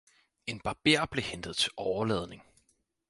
En barber blev hentet til åreladning.